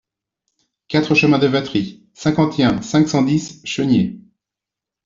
quatre chemin de Vatry, cinquante et un, cinq cent dix, Cheniers